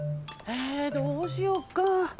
えどうしよっか？